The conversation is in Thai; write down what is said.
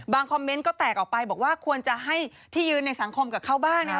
คอมเมนต์ก็แตกออกไปบอกว่าควรจะให้ที่ยืนในสังคมกับเขาบ้างนะคะ